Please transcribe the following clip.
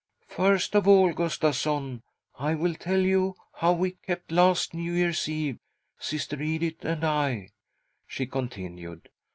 " First of all, Gustavsson, I will tell you how we kept last New Year's Eve, Sister Edith and I," she continued.